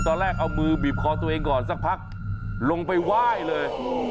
ตอนแรกเอามือบีบคอตัวเองก่อนสักพักลงไปไหว้เลย